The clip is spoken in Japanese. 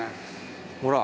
ほら。